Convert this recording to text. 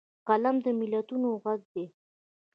قلم د ملتونو غږ دی